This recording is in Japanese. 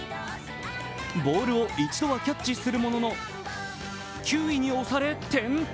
ボールを一度はキャッチするものの球威に押され転倒。